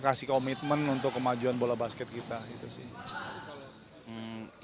kasih komitmen untuk kemajuan bola basket kita gitu sih